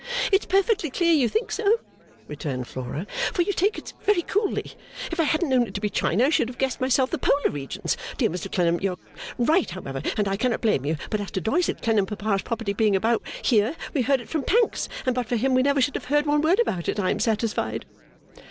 'It's perfectly clear you think so,' returned Flora, 'for you take it very coolly, if I hadn't known it to be China I should have guessed myself the Polar regions, dear Mr Clennam you are right however and I cannot blame you but as to Doyce and Clennam papa's property being about here we heard it from Pancks and but for him we never should have heard one word about it I am satisfied.